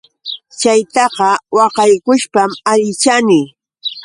Chaytaqa qawaykushpam allichani.